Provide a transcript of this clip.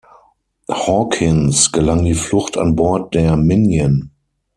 Hawkins gelang die Flucht an Bord der "Minion".